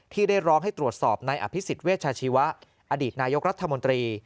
ที่ได้ร้องให้ตรวจสอบในอภิษฎเวชาชีวะอดีตนายกรัฐมนตรี